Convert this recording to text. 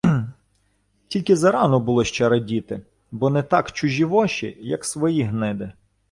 Тільки зарано було ще радіти, бо не так чужі воші, як свої гниди.